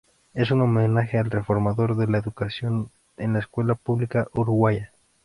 Es un homenaje al reformador de la educación en la escuela pública uruguaya.